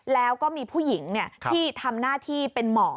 แล้วก็มีผู้หญิงที่ทำหน้าที่เป็นหมอ